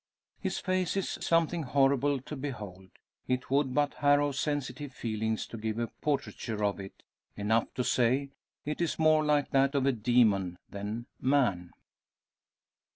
His face is something horrible to behold. It would but harrow sensitive feelings to give a portraiture of it. Enough to say, it is more like that of demon than man.